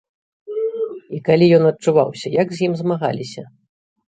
І калі ён адчуваўся, як з ім змагаліся?